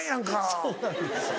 そうなんですよ。